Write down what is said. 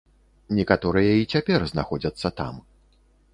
Некаторыя і цяпер знаходзяцца там.